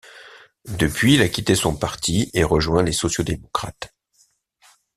Depuis, il a quitté son parti et rejoint les Sociaux-démocrates.